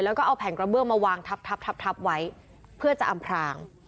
แล้วก็เอาแผงกระเบื้องมาวางทับไว้เพื่อจะอำพราง